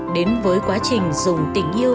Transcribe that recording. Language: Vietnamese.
đến với quá trình dùng tình yêu